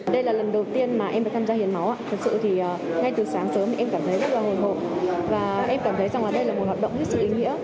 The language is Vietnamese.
đây là lần đầu tiên mà em phải tham gia hiến máu thật sự thì ngay từ sáng sớm em cảm thấy rất là hồi hộp và em cảm thấy rằng đây là một hoạt động rất sự ý nghĩa